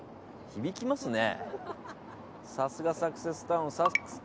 響きますね。